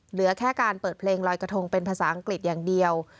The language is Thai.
เหลือแค่การเปิดเพลงลอยกระทงเป็นภาษาอังกฤษอย่างเดียว